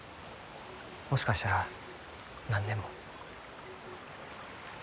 もしかしたら何年も。